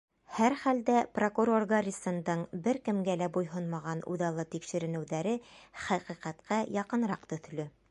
Һәр хәлдә прокурор Гаррисондың бер кемгә лә буйһонмаған үҙаллы тикшеренеүҙәре хәҡиҡәткә яҡыныраҡ төҫлө.